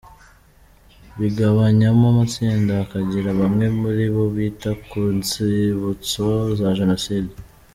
Bigabanyamo amatsinda, hakagira bamwe muri bo bita ku nzibutso za Jenoside.